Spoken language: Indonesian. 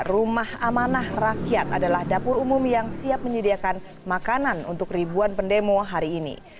rumah amanah rakyat adalah dapur umum yang siap menyediakan makanan untuk ribuan pendemo hari ini